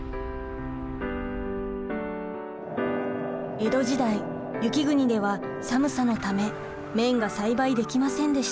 江戸時代雪国では寒さのため綿が栽培できませんでした。